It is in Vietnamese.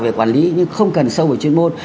về quản lý nhưng không cần sâu về chuyên môn